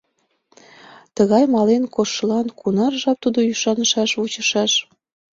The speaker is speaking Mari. Тыгай мален коштшылан кунар жап тудо ӱшанышаш, вучышаш?